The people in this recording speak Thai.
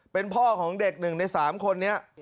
เป็นพ่อของเด็กหนึ่งในสามคนนี้